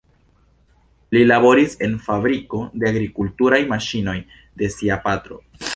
Li laboris en fabriko de agrikulturaj maŝinoj de sia patro.